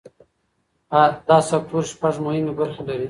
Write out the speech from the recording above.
دا سکتور شپږ مهمې برخې لري.